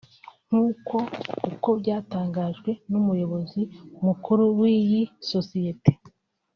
nk’uko uko byatangajwe n’umuyobozi mukuru w’iyi sosiyete